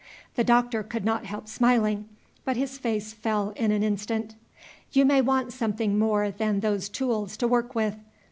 The Doctor could not help smiling. But his face fell in an instant. "You may want something more than those tools to work with.